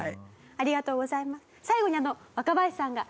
ありがとうございます。